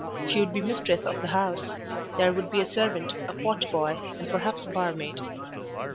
She would be mistress of the house. There would be a servant, a potboy, and perhaps a barmaid.